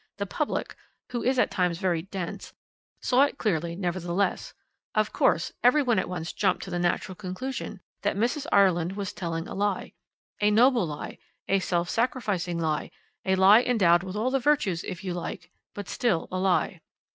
"The public who is at times very dense saw it clearly nevertheless: of course, every one at once jumped to the natural conclusion that Mrs. Ireland was telling a lie a noble lie, a self sacrificing lie, a lie endowed with all the virtues if you like, but still a lie.